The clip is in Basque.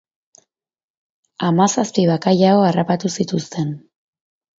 Hamazazpi bakailao harrapatu zituzten.